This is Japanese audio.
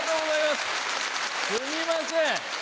すみません。